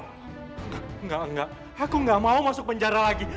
enggak enggak enggak aku enggak mau masuk penjara lagi